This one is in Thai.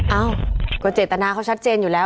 เอ้าก็เจตนาเขาชัดเจนอยู่แล้ว